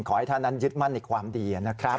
ขอให้ท่านนั้นยึดมั่นในความดีนะครับ